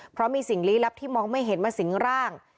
เพราะมีสิ่งลี้ลับที่มองไม่เห็นมาสิงร่าง